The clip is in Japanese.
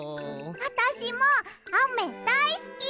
あたしもあめだいすき！